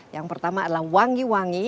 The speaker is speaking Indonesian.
yang pertama adalah wangi wangi